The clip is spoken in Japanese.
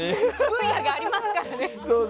分野がありますからね。